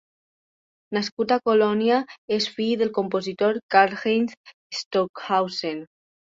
Nascut a Colònia, és fill del compositor Karlheinz Stockhausen.